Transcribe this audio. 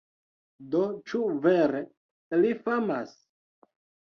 Do ĉu vere ili famas?